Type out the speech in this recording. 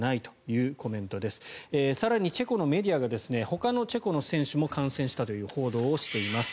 更に、チェコのメディアがほかのチェコの選手も感染したという報道をしています。